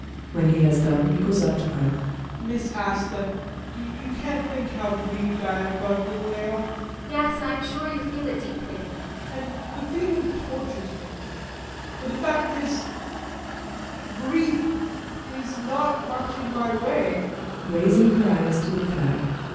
When he has done he goes up to her.] BORGHEIM. Miss Asta you can't think how grieved I am about little Eyolf. ASTA. [Looks up at him.] Yes, I am sure you feel it deeply. BORGHEIM. And the feeling tortures me. For the fact is, grief is not much in my way. ASTA. [Raising her eyes to the flag.